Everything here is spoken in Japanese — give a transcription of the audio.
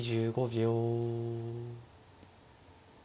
２５秒。